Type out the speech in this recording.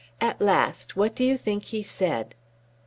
At last what do you think he said?"